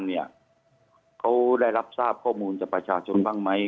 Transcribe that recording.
เขาได้รับทราบข้อมูลจากประชาชนบ้างไหม